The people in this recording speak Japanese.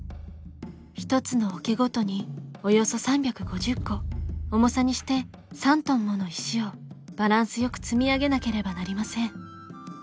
一つのおけごとにおよそ３５０個重さにして３トンもの石をバランスよく積み上げなければなりません。